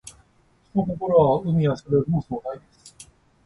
人の心は、海や空よりも壮大です。